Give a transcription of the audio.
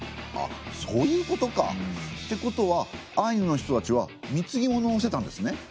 あっそういうことか。ってことはアイヌの人たちは貢物をしてたんですね。